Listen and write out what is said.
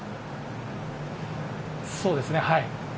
そうですね、はい。